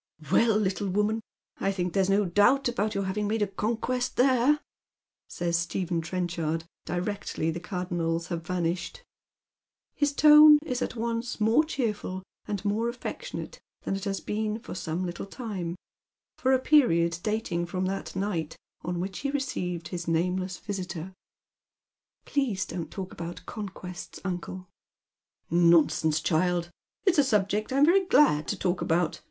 " Well, little woman, I think there's no doubt about your hav ing made a conquest there," says Stephen Trenchard, directly the Cardonnels have vanished. His tone is at once more cheerful and more affectionate than it has been for some little time, for a period dating from that night on which he received his nameless visitor. " Please don't talk about conquests, uncle." " Nonsense, child ! It's a subject I'm very giad to talk about.